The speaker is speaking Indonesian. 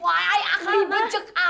wah iy akhli becek